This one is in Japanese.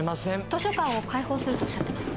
図書館を開放するとおっしゃってます。